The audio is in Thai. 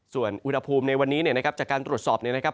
ส่วนอุณหภูมิในวันนี้เนี่ยนะครับจากการตรวจสอบเนี่ยนะครับ